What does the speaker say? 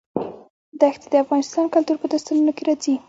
ښتې د افغان کلتور په داستانونو کې راځي.